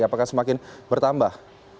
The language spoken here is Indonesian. apakah semakin bertambah